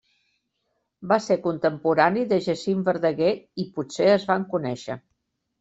Va ser contemporani de Jacint Verdaguer i potser es van conèixer.